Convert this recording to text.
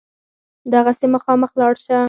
دغسې مخامخ لاړ شه.